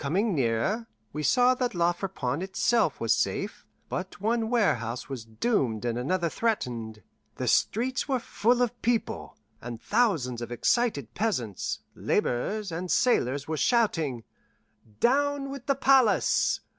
Coming nearer, we saw that La Friponne itself was safe, but one warehouse was doomed and another threatened. The streets were full of people, and thousands of excited peasants, laborers, and sailors were shouting, "Down with the palace!